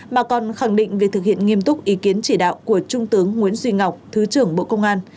mà còn khẳng định việc thực hiện nghiêm túc ý kiến chỉ đạo của trung tướng nguyễn duy ngọc thứ trưởng bộ công an